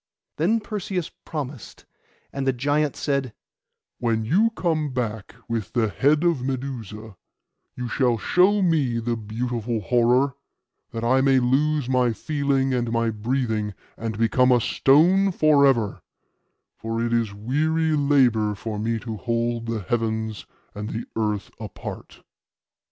Then Perseus promised; and the giant said, 'When you come back with the head of Medusa, you shall show me the beautiful horror, that I may lose my feeling and my breathing, and become a stone for ever; for it is weary labour for me to hold the heavens and the earth apart.